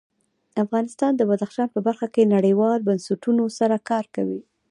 افغانستان د بدخشان په برخه کې نړیوالو بنسټونو سره کار کوي.